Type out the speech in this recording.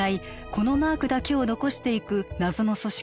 このマークだけを残していく謎の組織